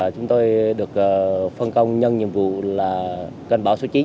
chúng tôi được phân công nhân nhiệm vụ là cơn bão số chín